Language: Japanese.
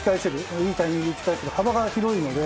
いいタイミングで打ち返せる幅が広いので。